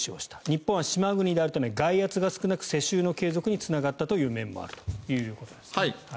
日本は島国であるため外圧が少なく世襲の継続につながったという面もあると。